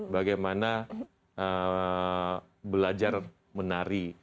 bagaimana belajar menari